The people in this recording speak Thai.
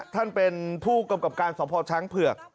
ท่านเป็นผู้กำกับการสพช้างเผือก